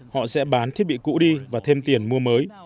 họ sẽ bán thiết bị cũ đi và thêm tiền mua mới